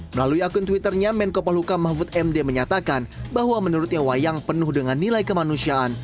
melalui akun twitternya menko paluka mahfud md menyatakan bahwa menurutnya wayang penuh dengan nilai kemanusiaan